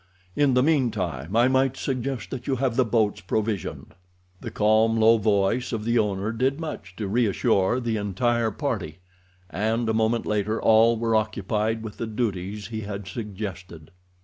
In the meantime I might suggest that you have the boats provisioned." The calm, low voice of the owner did much to reassure the entire party, and a moment later all were occupied with the duties he had suggested.